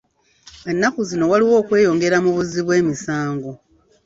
Ennaku zino waliwo okweyongera mu buzzi bw'emisango.